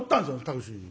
タクシーに。